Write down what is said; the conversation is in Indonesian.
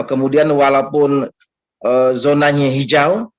kemudian walaupun zonanya hijau